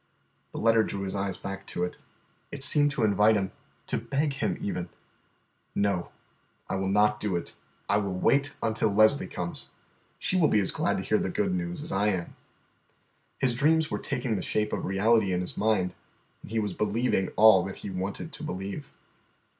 The letter drew his eyes back to it. It seemed to invite him, to beg him even. "No, I will not do it; I will wait until Leslie comes. She will be as glad to hear the good news as I am." His dreams were taking the shape of reality in his mind, and he was believing all that he wanted to believe.